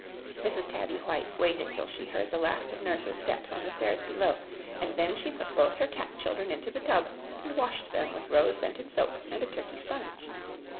"Mrs. Tabby White waited till she heard the last of Nurse's steps on the stairs below, and then she put both her cat children into the tub, and washed them with rose scented soap and a Turkey sponge.